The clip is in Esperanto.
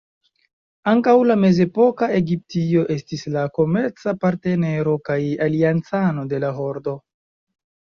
Ankaŭ la mezepoka Egiptio estis la komerca partnero kaj aliancano de la Hordo.